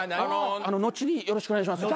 後によろしくお願いします。